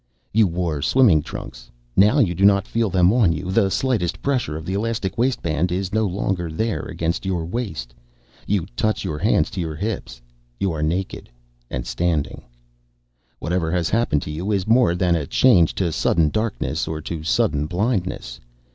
You wore swimming trunks. Now you do not feel them on you; the slight pressure of the elastic waistband is no longer there against your waist. You touch your hands to your hips. You are naked. And standing. Whatever has happened to you is more than a change to sudden darkness or to sudden blindness.